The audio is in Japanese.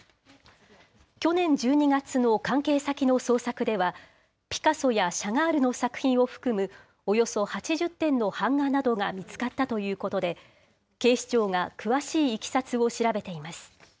去年１２月の関係先の捜索では、ピカソやシャガールの作品を含むおよそ８０点の版画などが見つかったということで、警視庁が詳しいいきさつを調べています。